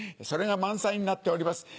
それが満載になっております。